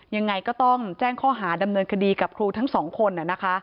ยังไงก็ต้องแจ้งข้อหาดำเนินคดีกับครูทั้งสองคนนะคะ